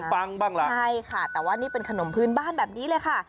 ปังบ้างล่ะใช่ค่ะแต่ว่านี่เป็นขนมพื้นบ้านแบบนี้เลยค่ะ